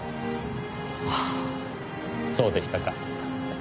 ああそうでしたか。